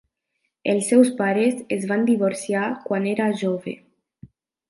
Els seus pares es van divorciar quan era jove.